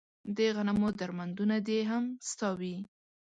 د غنمو درمندونه دې هم ستا وي